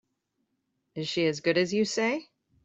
Is she as good as you say?